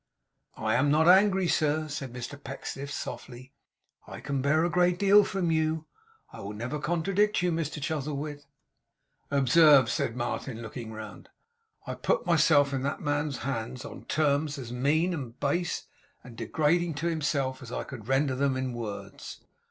'I am not angry, sir,' said Mr Pecksniff, softly. 'I can bear a great deal from you. I will never contradict you, Mr Chuzzlewit.' 'Observe!' said Martin, looking round. 'I put myself in that man's hands on terms as mean and base, and as degrading to himself, as I could render them in words.